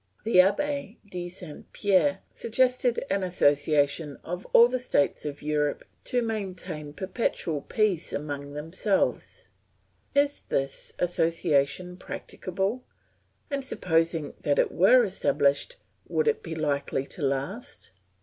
The Abbe de Saint Pierre suggested an association of all the states of Europe to maintain perpetual peace among themselves. Is this association practicable, and supposing that it were established, would it be likely to last?